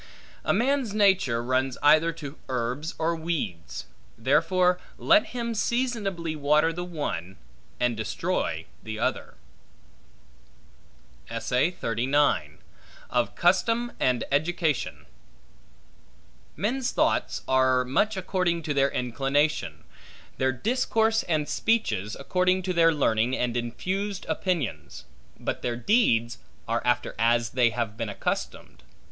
A man's nature, runs either to herbs or weeds; therefore let him seasonably water the one, and destroy the other. Of Custom And Education MEN'S thoughts, are much according to their inclination; their discourse and speeches, according to their learning and infused opinions; but their deeds, are after as they have been accustomed.